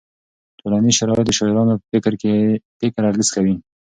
ټولنیز شرایط د شاعرانو په فکر اغېز کوي.